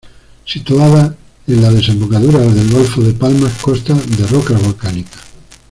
Situada en la desembocadura del Golfo de Palmas, consta de rocas volcánicas.